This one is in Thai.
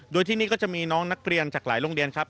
โดยที่นี่ก็จะมีน้องนักเรียนจากหลายโรงเรียนครับ